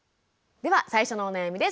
では最初のお悩みです。